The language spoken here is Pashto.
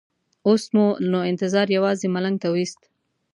اوس مو نو انتظار یوازې ملنګ ته وېست.